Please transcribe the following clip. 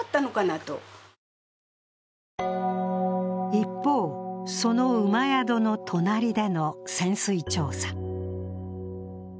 一方、その馬宿の隣での潜水調査。